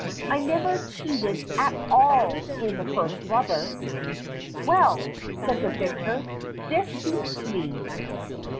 "I never cheated at all in the first rubber." "Well," said the vicar, "this beats me.